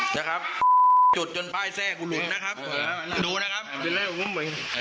นะครับจุดจนป้ายแทร่กูหลุดนะครับ